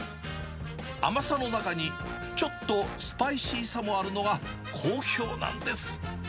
甘さの中にちょっとスパイシーさもあるのが好評なんです。